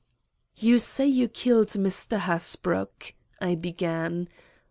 "You say you killed Mr. Hasbrouck," I began.